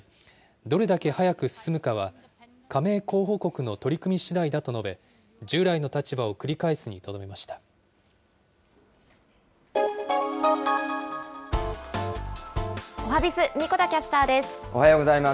どれだけ早く進むかは、加盟候補国の取り組みしだいだと述べ、従来の立場を繰り返すにとおはＢｉｚ、神子田キャスタおはようございます。